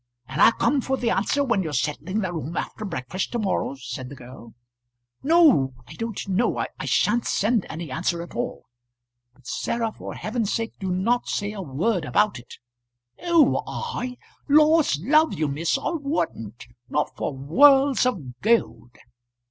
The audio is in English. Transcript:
"And I'll come for the answer when you're settling the room after breakfast to morrow?" said the girl. "No; I don't know. I sha'n't send any answer at all. But, Sarah, for heaven's sake, do not say a word about it!" "Who, I? Laws love you, miss. I wouldn't; not for worlds of gold."